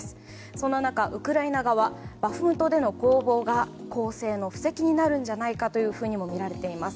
そんな中、ウクライナ側バフムトでの攻防が攻勢の布石になるとみられています。